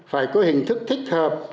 phải có hình thức thích hợp